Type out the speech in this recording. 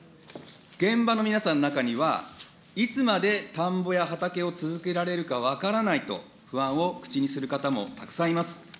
現場の皆さんの中には、いつまで田んぼや畑を続けられるか分からないと不安を口にする方もたくさんいます。